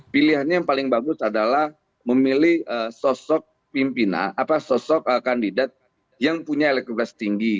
pilihannya yang paling bagus adalah memilih sosok pimpinan sosok kandidat yang punya elektabilitas tinggi